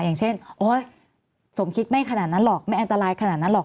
อย่างเช่นโอ๊ยสมคิดไม่ขนาดนั้นหรอกไม่อันตรายขนาดนั้นหรอก